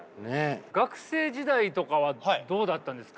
学生時代とかはどうだったんですか？